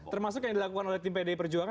termasuk yang dilakukan oleh tim pdi perjuangan